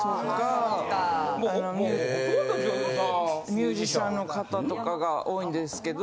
ミュージシャンの方とかが多いんですけど。